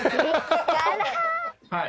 はい。